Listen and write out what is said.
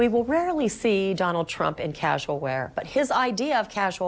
ก็จะเป็นความจริงของเขา